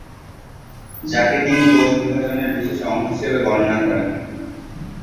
যাকে তিনি "কোষ বিভাজনের বিশেষ অঙ্গ" হিসাবে বর্ণনা করেন।